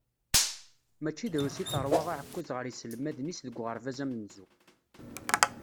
Mačči drus i terwa aɛekkaz ɣer yiselmaden-is deg uɣerbaz amenzu.